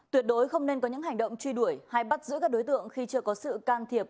tuyệt đối không nên có những hành động truy đuổi hay bắt giữ các đối tượng khi chưa có sự can thiệp